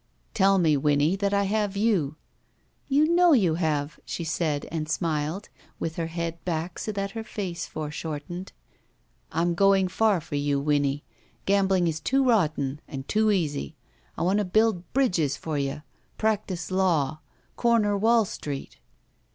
"Tell me, Winnie, that I have you." "You know you have," she said, and smiled, with her head back so that her face foreshortened. "I'm going far for you Winnie. Gambling is too rotten — and too easy. I want to btiild bridges for you. Practice law. Comer Wall Street."